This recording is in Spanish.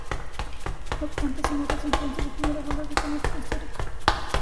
No obstante, se nota su influencia en las primeras obras de temática histórica.